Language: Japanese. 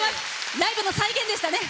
ライブの再現でしたね。